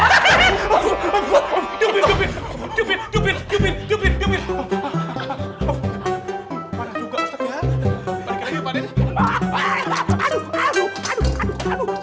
aduh aduh aduh aduh